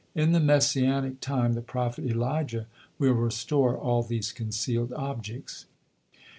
In the Messianic time the prophet Elijah will restore all these concealed objects.